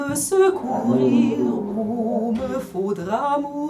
பண்ணை என்பது ஒருவகை விளையாட்டு.